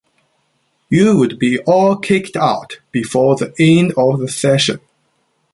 You would be all kicked out before the end of the session.